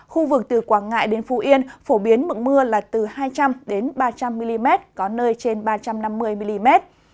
khu vực từ quảng ngãi đến phú yên phổ biến mực mưa là từ hai trăm linh ba trăm linh mm có nơi trên ba trăm năm mươi mm